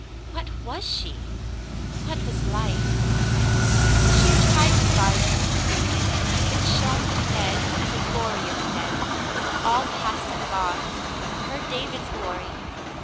What was she ? What was life ? She had tried to find him, her David, and had been shown the dead, and the glory of the dead — all past and gone — her David's glory.